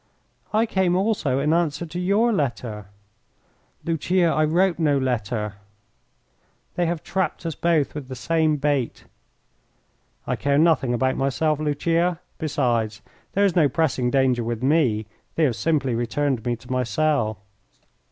"I came also in answer to your letter." "Lucia, I wrote no letter." "They have trapped us both with the same bait." "I care nothing about myself, Lucia. Besides, there is no pressing danger with me. They have simply returned me to my cell."